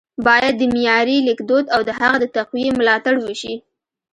ـ بايد د معیاري لیکدود او د هغه د تقويې ملاتړ وشي